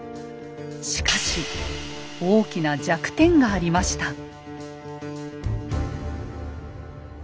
しかし大きな弱点がありました。